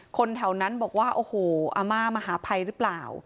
คนแถวนั้นบอกว่าโอ้โหอาม่ามหาภัยหรือเปล่า